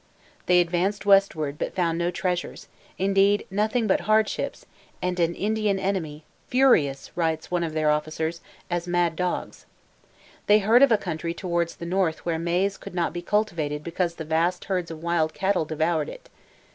They advanced westward, but found no treasures, nothing indeed but hardships, and an Indian enemy, furious, writes one of their officers, "as mad dogs." They heard of a country towards the north where maize could not be cultivated because the vast herds of wild cattle devoured it.